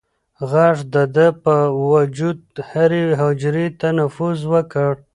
غږ د ده د وجود هرې حجرې ته نفوذ وکړ.